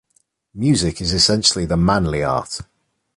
Music is essentially the manly art...